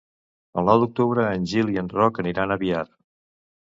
El nou d'octubre en Gil i en Roc aniran a Biar.